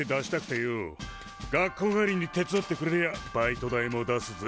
学校帰りに手伝ってくれりゃバイト代も出すぜ！